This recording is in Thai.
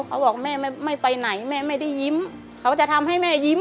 เขาบอกแม่ไม่ไปไหนแม่ไม่ได้ยิ้มเขาจะทำให้แม่ยิ้ม